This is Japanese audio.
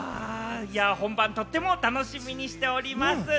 本番とても楽しみにしております。